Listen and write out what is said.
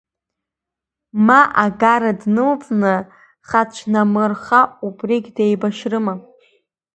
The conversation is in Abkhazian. Ма агара днылҵны, хацәнамырха, убригь деибашьрыма?